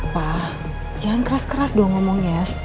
pak jangan keras keras dong ngomong ya